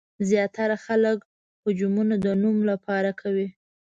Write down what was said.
زیاتره خلک حجونه د نوم لپاره کوي.